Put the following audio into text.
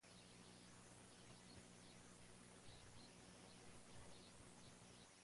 Se aconseja no conectar más de ocho cámaras web para el uso de videoconferencia.